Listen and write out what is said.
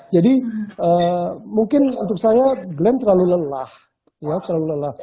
jadi mungkin untuk saya glenn terlalu lelah